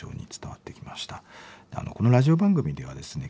このラジオ番組ではですね